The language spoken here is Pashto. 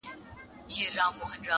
جهاني به پر لکړه پر کوڅو د جانان ګرځي،